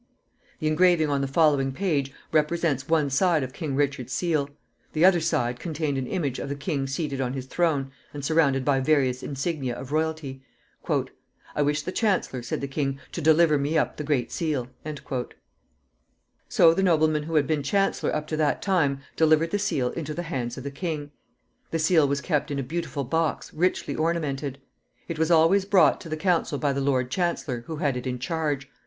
The engraving on the following page represents one side of king Richard's seal. The other side contained an image of the king seated on his throne, and surrounded by various insignia of royalty. "I wish the chancellor," said the king, "to deliver me up the great seal." [Illustration: SEAL OF RICHARD II.] So the nobleman who had been chancellor up to that time delivered the seal into the hands of the king. The seal was kept in a beautiful box, richly ornamented. It was always brought to the council by the lord chancellor, who had it in charge.